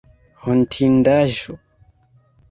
Hontindaĵo?